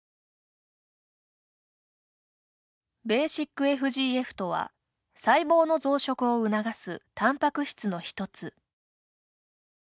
ｂＦＧＦとは細胞の増殖を促すたんぱく質の１つ。